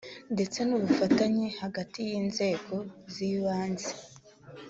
ndetse n’ubufatanye hagati y’inzego z’ibanze